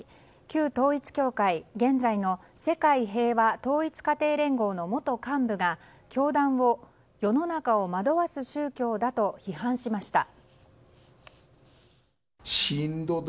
旧統一教会、現在の世界平和統一家庭連合の元幹部が教団を世の中を惑わす宗教だと批判しました。